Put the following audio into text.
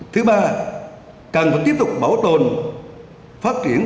thứ ba cần phải tiếp tục bảo tồn phát triển